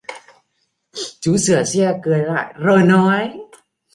Chú sửa xe cười lại rồi nói